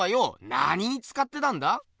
なににつかってたんだ？